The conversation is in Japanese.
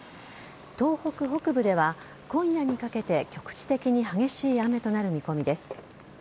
東北北部では今夜にかけて局地的に激しい雨となる見込みです。